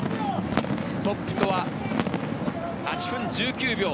トップとは８分１９秒。